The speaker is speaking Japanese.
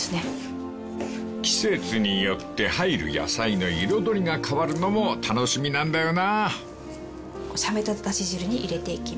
［季節によって入る野菜の彩りが変わるのも楽しみなんだよなあ］